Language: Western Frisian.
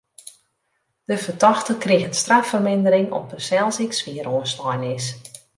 De fertochte kriget straffermindering om't er sels ek swier oanslein is.